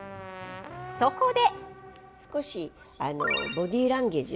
そこで。